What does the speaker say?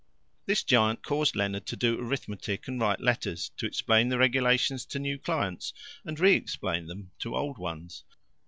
This giant caused Leonard to do arithmetic and write letters, to explain the regulations to new clients, and re explain them to old ones.